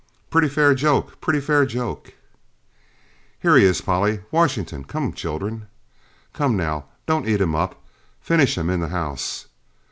Pretty fair joke pretty fair. Here he is, Polly! Washington's come, children! come now, don't eat him up finish him in the house.